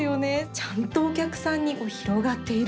ちゃんとお客さんに広がっている。